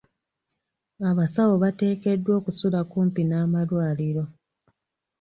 Abasawo bateekeddwa okusula kumpi n'amalwaliro.